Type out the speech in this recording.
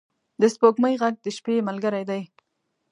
د سپوږمۍ ږغ د شپې ملګری دی.